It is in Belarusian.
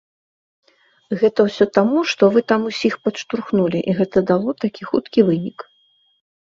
Гэта ўсё таму, што вы там усіх падштурхнулі і гэта дало такі хуткі вынік.